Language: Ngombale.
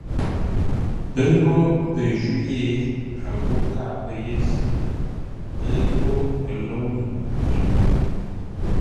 Pə́ ghó pə́ jwî yé, a ghó kâa pə́ yé zʉ́, ə́ ngó pə lôu ngu pə́ nó.